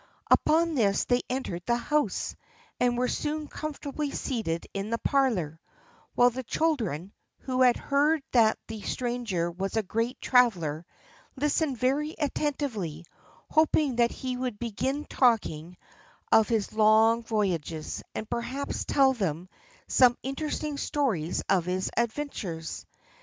Upon this they entered the house, and were soon comfortably seated in the parlour, while the children, who had heard that the stranger was a great traveller, listened very attentively, hoping that he would begin talking of his long voyages, and perhaps tell them some interesting stories of his adventures.